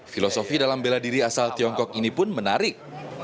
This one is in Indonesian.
filosofi dalam bela diri asal tiongkok ini pun menarik